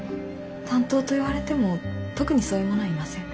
担当と言われても特にそういう者はいません。